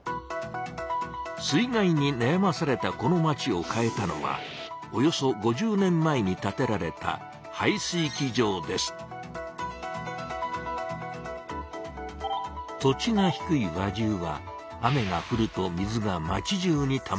水害になやまされたこの町を変えたのはおよそ５０年前に建てられた土地が低い輪中は雨がふると水が町じゅうにたまってしまいます。